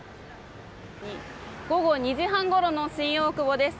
午後２時半ごろの新大久保です。